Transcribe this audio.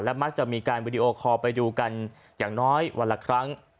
มักจะมีการวิดีโอคอลไปดูกันอย่างน้อยวันละครั้ง